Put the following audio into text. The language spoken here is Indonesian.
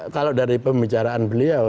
kalau dari pembicaraan beliau